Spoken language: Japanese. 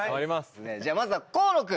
じゃあまずは河野君。